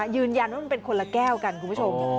ยืนยันว่ามันเป็นคนละแก้วกันคุณผู้ชม